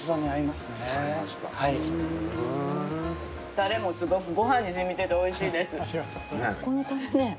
たれもすごくご飯に染みてておいしいです。